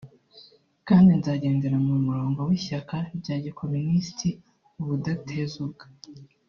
kandi nzagendera mu murongo w’ishyaka rya gikomunisiti ubudatezuka